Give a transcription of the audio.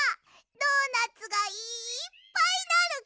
ドーナツがいっぱいなるき。